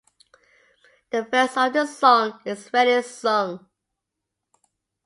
The verse of the song is rarely sung.